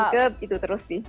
jadi itu terus sih